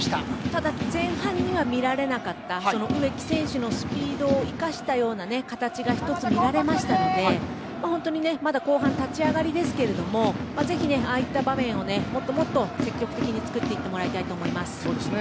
ただ、前半には見られなかった植木選手のスピードを生かした形が１つ見られましたので本当にまだ後半立ち上がりですがぜひ、ああいった場面をもっと積極的に作っていってもらいたいと思います。